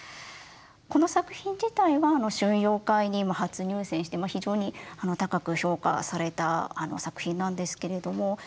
この作品自体は春陽会にも初入選して非常に高く評価された作品なんですけれども。